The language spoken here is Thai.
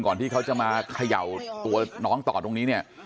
ที่เขาจะมาเขย่าตัวน้องต่อตรงนี้เนี่ย